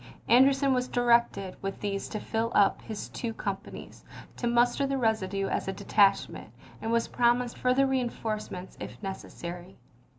An derson was directed with these to fill up his two companies, to muster the residue as a detachment, and was promised further reinforcements, if nec essary.